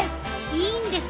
いいんです！